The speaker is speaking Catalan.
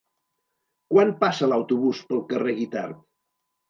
Quan passa l'autobús pel carrer Guitard?